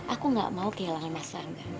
aku gak mau kehilangan masa enggak